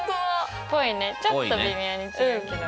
っぽいねちょっと微妙に違うけど。